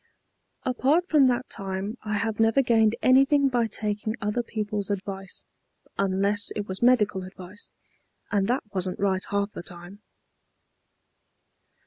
"Apart from that time I have never gained anything by taking other people's advice, unless it was medical advice, and that wasn't right half the time."